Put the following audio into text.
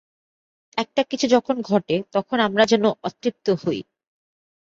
একটা কিছু যখন ঘটে, তখন আমরা যেন অতৃপ্ত হই।